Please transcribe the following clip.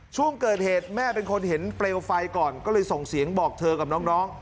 ช่วงเกิดเหตุแม่เป็นคนเห็นเปลวไฟก่อนก็เลยส่งเสียงบอกเธอกับน้อง